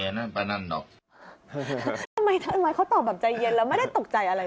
เย็นแล้วไม่ได้ตกใจอะไรเลย